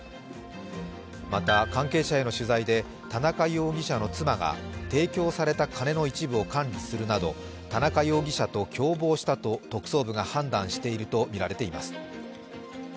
また、関係者への取材で田中容疑者の妻が提供された金の一部を管理するなど、田中容疑者と共謀したと特捜部が判断していると見られています。